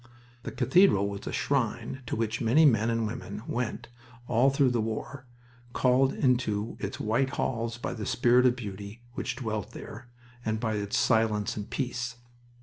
The cathedral was a shrine to which many men and women went all through the war, called into its white halls by the spirit of beauty which dwelt there, and by its silence and peace.